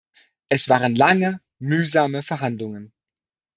Es waren lange, mühsame Verhandlungen.